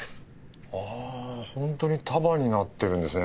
お本当に束になってるんですね